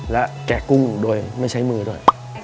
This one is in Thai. และแกะกุ้งโดยไม่ใช้มือด้วย